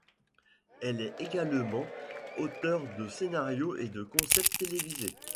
Elle est également auteur de scénarios et de concepts télévisés.